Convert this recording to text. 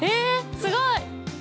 ◆すごい。